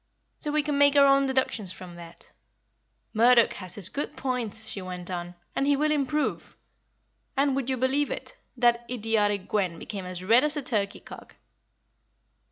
So we can make our own deductions from that. 'Murdoch has his good points,' she went on, 'and he will improve.' And, would you believe it? that idiotic Gwen became as red as a turkey cock.